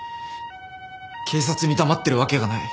警察に黙ってるわけがない。